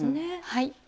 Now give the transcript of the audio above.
はい。